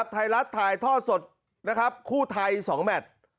ไทยรัฐถ่ายท่อสดนะครับคู่ไทย๒แมท